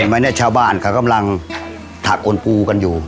ไหมเนี่ยชาวบ้านเขากำลังถักอนปูกันอยู่